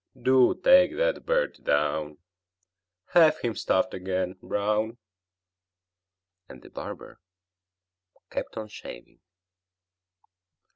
Do take that bird down; Have him stuffed again, Brown!" And the barber kept on shaving.